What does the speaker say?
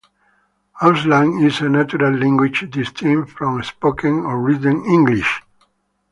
Auslan is a natural language distinct from spoken or written English.